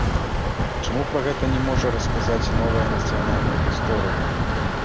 Чаму пра гэта не можа расказаць новая нацыянальная гісторыя?